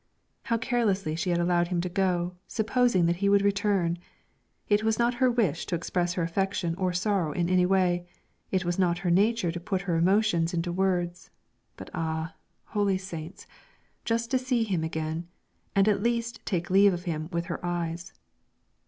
How carelessly she had allowed him to go, supposing that he would return! It was not her wish to express her affection or sorrow in any way; it was not her nature to put her emotions into words; but ah, holy saints! just to see him again, and at least take leave of him with her eyes!